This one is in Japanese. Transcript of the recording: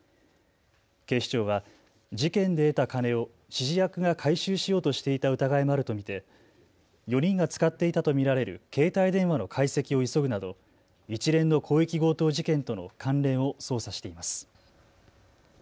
警視庁は事件で得た金を指示役が回収しようとしていた疑いもあると見て４人が使っていたと見られる携帯電話の解析を急ぐなど一連の広域強盗事件との関連を捜査しています。